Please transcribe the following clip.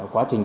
quá trình cơ